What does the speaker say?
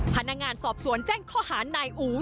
พนักงานสอบสวนแจ้งข้อหานายอู๋